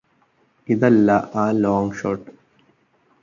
ഇതല്ല ആ long shot